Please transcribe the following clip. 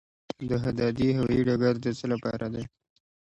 دهدادي هوايي ډګر د څه لپاره دی؟